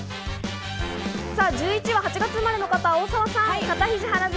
１１位は８月生まれの方、大沢さん。